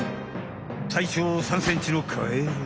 体長３ｃｍのカエルは。